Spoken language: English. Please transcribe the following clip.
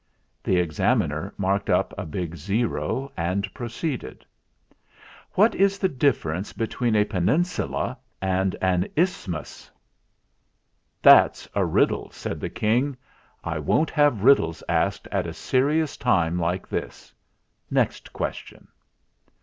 The Examiner marked up a big O, and pro ceeded. "What is the difference between a peninsula and an isthmus ?" 244 THE JACKY TOAD FAILS 245 "That's a riddle," said the King. "I won't have riddles asked at a serious time like this. Next question."